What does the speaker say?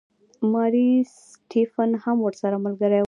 ماري سټیفن هم ورسره ملګرې وه.